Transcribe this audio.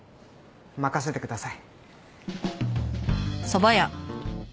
任せてください。